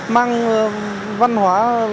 mang văn hóa